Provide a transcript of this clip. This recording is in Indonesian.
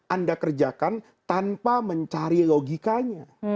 anda kerjakan tanpa mencari logikanya